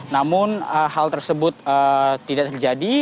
namun hal tersebut tidak terjadi